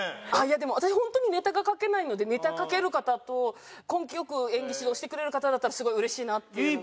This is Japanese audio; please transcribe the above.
でも私ホントにネタが書けないのでネタ書ける方と根気よく演技指導してくれる方だったらすごい嬉しいなっていうのが。